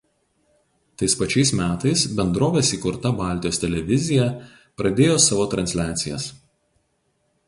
Tais pačiais metais bendrovės įkurta Baltijos televizija pradėjo savo transliacijas.